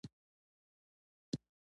په دعا کښېنه، زړه دې نرمېږي.